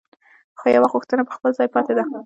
خو یوه غوښتنه پر خپل ځای پاتې ده.